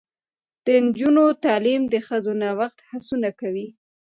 د نجونو تعلیم د ښځو نوښت هڅونه کوي.